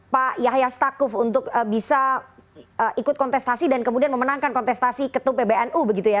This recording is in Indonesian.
pak yahya stakuf untuk bisa ikut kontestasi dan kemudian memenangkan kontestasi ketum pbnu begitu ya